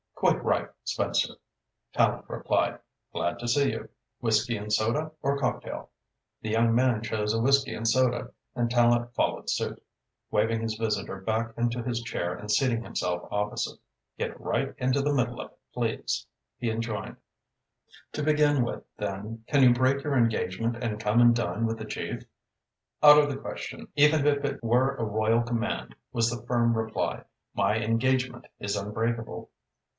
"Quite right, Spencer," Tallente replied. "Glad to see you. Whisky and soda or cocktail?" The young man chose a whisky and soda, and Tallente followed suit, waving his visitor back into his chair and seating himself opposite. "Get right into the middle of it, please," he enjoined. "To begin with, then, can you break your engagement and come and dine with the Chief?" "Out of the question, even if it were a royal command," was the firm reply. "My engagement is unbreakable."